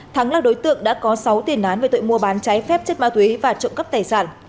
thắng là đối tượng đã có sáu tiền nán về tội mua bán trái phép chết ma túy và trộm cấp tài sản